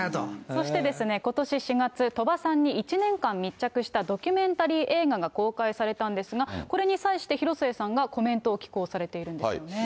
そしてことし４月、鳥羽さんに１年間密着したドキュメンタリー映画が公開されたんですが、これに際して、広末さんがコメントを寄稿されているんですよね。